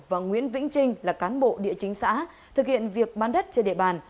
và nguyễn vĩnh trinh là cán bộ địa chính xã thực hiện việc bán đất trên địa bàn